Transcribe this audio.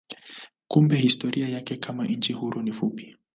Kumbe historia yake kama nchi huru ni fupi.